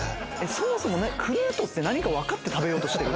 そもそもクルートって何か分かって食べようとしてる？